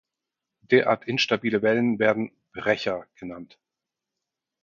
Derart instabile Wellen werden "Brecher" genannt.